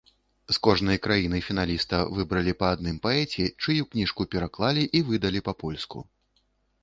З кожнай краіны-фіналіста выбралі па адным паэце, чыю кніжку пераклалі і выдалі па-польску.